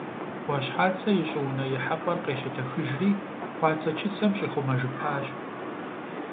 Ӏуащхьацэ и щӀыунэ ихьэпӀэр къещэтэхыжри, къуацэчыцэм щӀихъумэжыпащ.